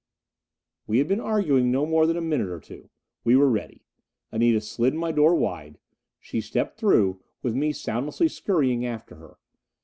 We had been arguing no more than a minute or two. We were ready. Anita slid my door wide. She stepped through, with me soundlessly scurrying after her.